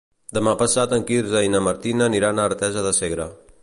Demà passat en Quirze i na Martina aniran a Artesa de Segre.